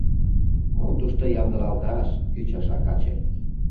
— Мом тушто ямдылалташ?! — ӱчаша каче.